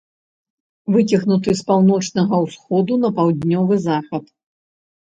Выцягнуты з паўночнага ўсходу на паўднёвы захад.